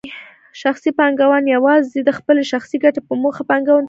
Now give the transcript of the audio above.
شخصي پانګوال یوازې د خپلې شخصي ګټې په موخه پانګونې ته زړه ښه کوي.